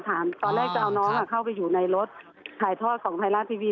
ตอนแรกจะเอาน้องเข้าไปอยู่ในรถถ่ายทอดของไทยรัฐทีวี